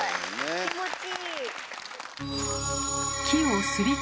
気持ちいい。